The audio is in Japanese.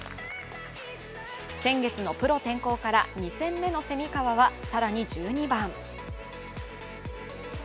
先月のプロ転向から２戦目の蝉川は更に１２番。